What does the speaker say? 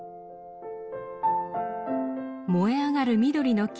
「燃えあがる緑の木」